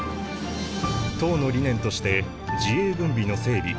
党の理念として自衛軍備の整備